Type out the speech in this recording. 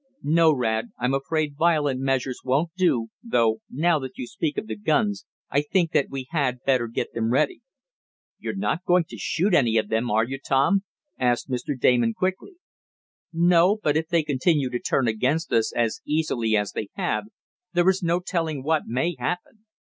"No, Rad; I'm afraid violent measures won't do, though now that you speak of the guns I think that we had better get them ready." "You're not going to shoot any of them, are you, Tom?" asked Mr. Damon quickly. "No, but if they continue to turn against us as easily as they have, there is no telling what may happen.